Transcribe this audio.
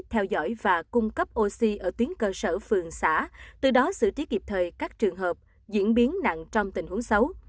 theo dõi và cung cấp oxy ở tuyến cơ sở phường xã từ đó xử trí kịp thời các trường hợp diễn biến nặng trong tình huống xấu